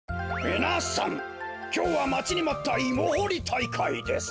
みなさんきょうはまちにまったイモほりたいかいです。